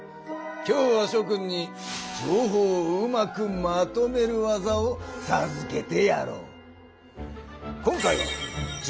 今日はしょ君に情報をうまくまとめる技をさずけてやろう。